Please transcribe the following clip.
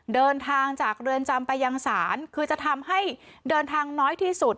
เดินทางจากเรือนจำไปยังศาลคือจะทำให้เดินทางน้อยที่สุด